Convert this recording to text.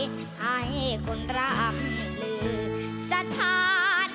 ให้คนร่ำลือสถาน